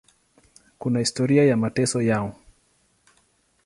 Kuna historia ya mateso yao.